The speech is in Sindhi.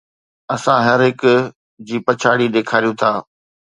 اسان هر هڪ جي پڇاڙي ڏيکاريون ٿا